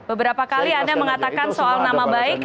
beberapa kali anda mengatakan soal nama baik